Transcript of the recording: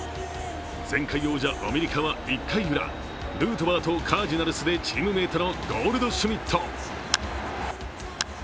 前回王者、アメリカは１回ウラ、ヌートバーとカージナルスでチームメイトのゴールドシュミット。